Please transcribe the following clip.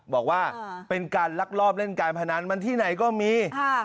บอกว่าเป็นการลักลอบเล่นการพนันมันที่ไหนก็มี